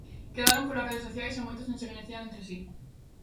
Quedaron polas redes sociais, e moitos nin se coñecían entre si.